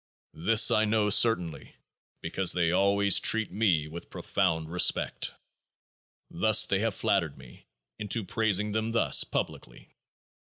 This I know certainly, because they always treat me with profound respect. Thus they have flattered me into praising them thus publicly.